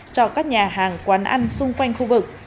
cho các nhà hàng quán ăn xung quanh khu vực